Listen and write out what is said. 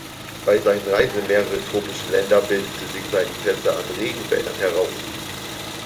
Bei seinen Reisen in mehrere tropische Länder, bildete sich sein Interesse an Regenwäldern heraus.